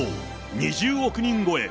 ２０億人超え。